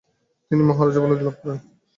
তিনি 'মহারাজা' উপাধি লাভ করেন।